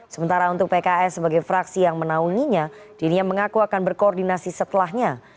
sementara untuk pks sebagai fraksi yang menaunginya dirinya mengaku akan berkoordinasi setelahnya